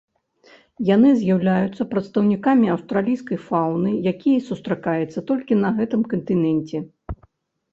Яны з'яўляюцца прадстаўнікамі аўстралійскай фауны, якія сустракаецца толькі на гэтым кантыненце.